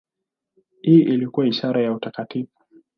Hii ilikuwa ishara ya utakatifu.